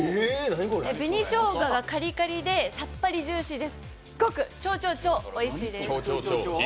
紅しょうががカリカリでさっぱりジューシーですっごく、超超超いい感じです。